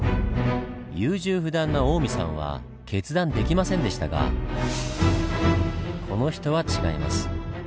優柔不断な近江さんは決断できませんでしたがこの人は違います。